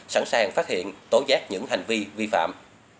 sẵn sàng phát hiện tố giác những hành vi vi phạm